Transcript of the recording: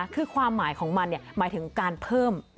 คือความหมายของมันหมายถึงการเพิ่ม